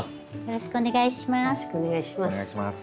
よろしくお願いします。